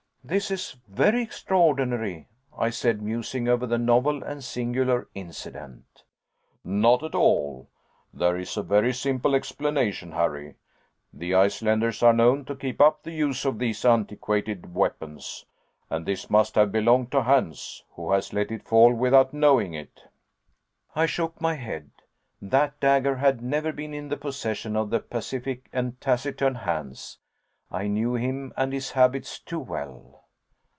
"This is very extraordinary," I said, musing over the novel and singular incident. "Not at all. There is a very simple explanation, Harry. The Icelanders are known to keep up the use of these antiquated weapons, and this must have belonged to Hans, who has let it fall without knowing it." I shook my head. That dagger had never been in the possession of the pacific and taciturn Hans. I knew him and his habits too well.